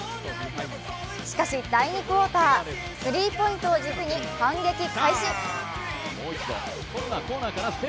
しかし、第２クオーター、スリーポイントを軸に反撃開始。